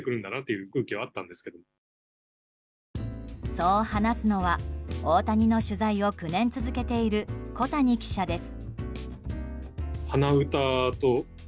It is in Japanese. そう話すのは大谷の取材を９年続けている小谷記者です。